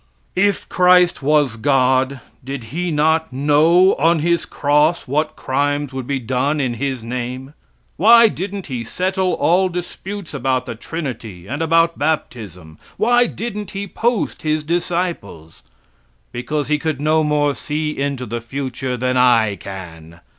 If Christ was God, did He not know on His cross what crimes would be done in His name? Why didn't He settle all disputes about the trinity and about baptism? Why didn't He post His disciples? Because He could no more see into the future than I can.